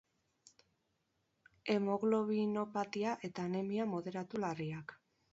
Hemoglobinopatia eta anemia moderatu-larriak.